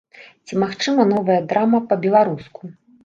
Ці магчыма новая драма па-беларуску?